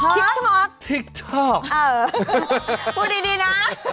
ทิกท็อกทิกท็อกพูดดีนะ